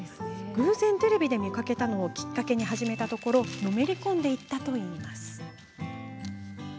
偶然、テレビで見かけたのをきっかけに始めたところのめり込んでいったといいます。